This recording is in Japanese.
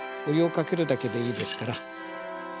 お湯をかけるだけでいいですから。